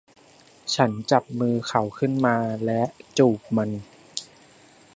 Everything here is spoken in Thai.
ฉันจับมือเขาขึ้นมาและจูบมัน